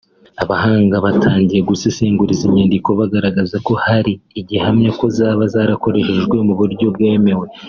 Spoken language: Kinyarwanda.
Abahanga batangiye gusesengura izi nyandiko bagaragaza ko hari igihamya ko zaba zarakoreshejwe mu buryo bwemewe